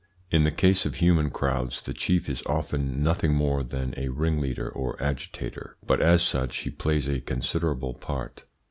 In the case of human crowds the chief is often nothing more than a ringleader or agitator, but as such he plays a considerable part.